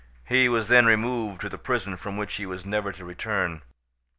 He was then removed to the prison from which he was never to return.